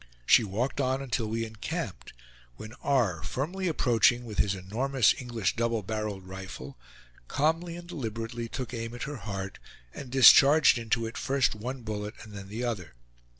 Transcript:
She walked on until we encamped, when R. firmly approaching with his enormous English double barreled rifle, calmly and deliberately took aim at her heart, and discharged into it first one bullet and then the other.